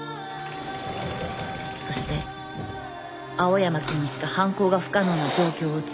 そして青山くんにしか犯行が不可能な状況を作り